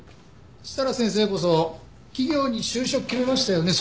設楽先生こそ企業に就職決めましたよね。